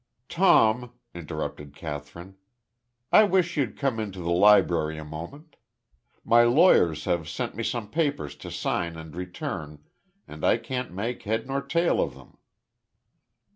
"Tom," interrupted Kathryn, "I wish you'd come into the library a moment. My lawyers have sent me some papers to sign and return, and I can't make head nor tail of them."